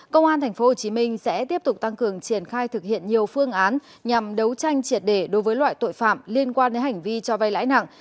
công an tp hcm sẽ tiếp tục tăng cường triển khai thực hiện nhiều phương án nhằm đấu tranh triệt để đối với loại tội phạm liên quan đến hành vi cho vay lãi nặng